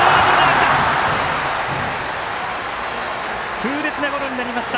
痛烈なゴロになりました。